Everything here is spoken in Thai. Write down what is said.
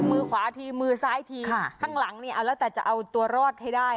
มือขวาทีมือซ้ายทีข้างหลังเนี่ยเอาแล้วแต่จะเอาตัวรอดให้ได้